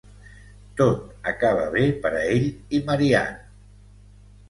Tot acaba bé per a ell i Marianne.